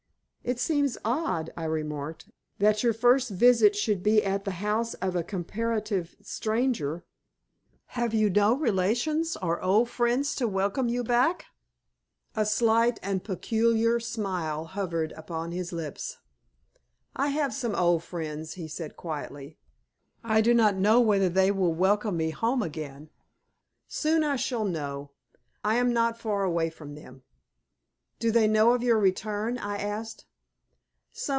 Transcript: "It seems odd," I remarked, "that your first visit should be at the house of a comparative stranger. Have you no relations or old friends to welcome you back?" A slight and peculiar smile hovered upon his lips. "I have some old friends," he said, quietly; "I do not know whether they will welcome me home again. Soon I shall know. I am not far away from them." "Do they know of your return?" I asked.